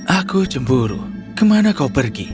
aku cemburu kemana kau pergi